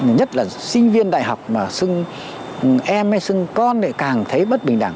nhất là sinh viên đại học mà xưng em hay xưng con lại càng thấy bất bình đẳng